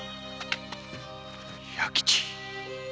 弥吉。